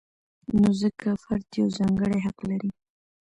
نو ځکه فرد یو ځانګړی حق لري.